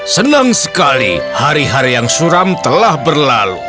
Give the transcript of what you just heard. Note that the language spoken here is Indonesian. senang sekali hari hari yang suram telah berlalu